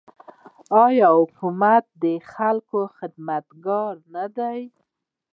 آیا حکومت د خلکو خدمتګار نه دی؟